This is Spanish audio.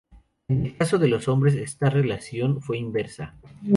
En el caso de los hombres esta relación fue inversa.